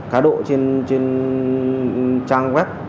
đá đỗ trên trang web